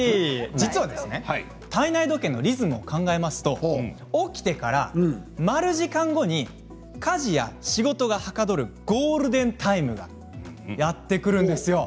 実は体内時計のリズムを考えると、起きてから○時間後に家事や仕事がはかどるゴールデンタイムがやってくるんですよ。